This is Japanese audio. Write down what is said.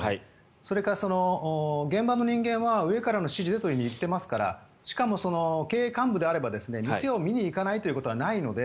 それから現場の人間は上からの指示でと言っていますからしかも、経営幹部であれば店を見に行かないということはないので